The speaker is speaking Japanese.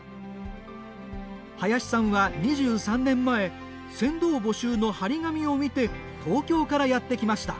林さんは２３年前船頭募集の貼り紙を見て東京からやってきました。